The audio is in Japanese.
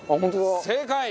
正解！